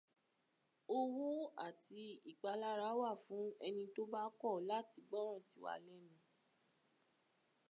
Owó àti ìpalárà wà fún ẹni tó bá kọ̀ láti gbọ́ràn sí wa lẹ́nu.